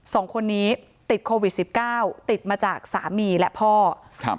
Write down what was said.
สองคนนี้ติดโควิดสิบเก้าติดมาจากสามีและพ่อครับ